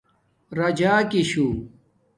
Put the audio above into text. راجاکی شُݸ